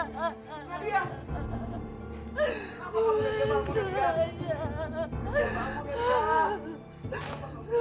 nadiya ngejebak bukitnya